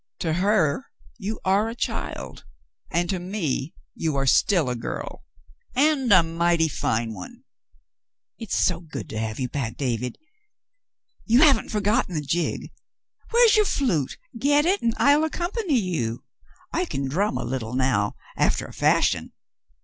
"To her you are a child, and to me you are still a girl, and a mighty fine one." "It's so good to have you back, David ! You haven't forgotten the Jig ! Where's your flute ? Get it, and I'll accompany you. I can drum a little now — after a fashion.